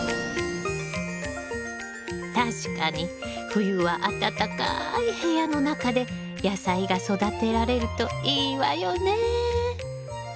確かに冬は暖かい部屋の中で野菜が育てられるといいわよね。